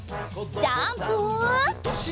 ジャンプ！